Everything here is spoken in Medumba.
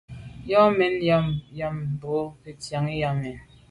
Mɛ̂n nshûn ὰm bə α̂ Yâmɛn Bò kə ntsiaŋ i α̂ Yâmɛn.